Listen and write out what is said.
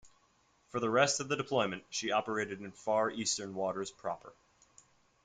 For the rest of the deployment, she operated in Far Eastern waters proper.